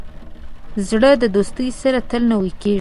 زړه د دوستۍ سره تل نوی کېږي.